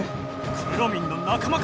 くろミンの仲間か！